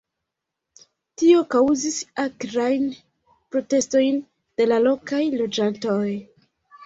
Tio kaŭzis akrajn protestojn de la lokaj loĝantoj.